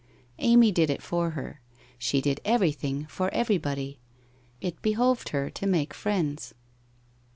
Amy did it for her. She did everything for everybody. It be hoved her to make friends.